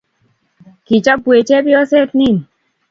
Kiichobwech chebyoset nin.